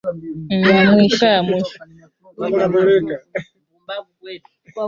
mito Kama inavyojulikana katika nyakati za zamani